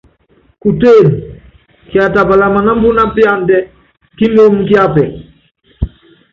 Kutéen, kiatapala manámbúná píandɛ́ kímoomi kíapɛk.